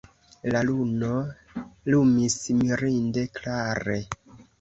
La luno lumis mirinde klare.